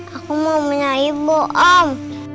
aku mau punya ibu om